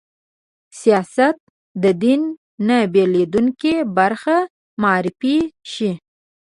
سیاست د دین نه بېلېدونکې برخه معرفي شي